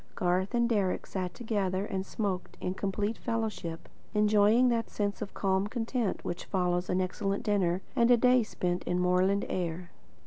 Garth and Deryck sat together and smoked in complete fellowship, enjoying that sense of calm content which follows an excellent dinner and a day spent in moorland air.